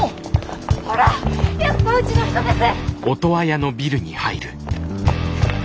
ほらやっぱうちの人です！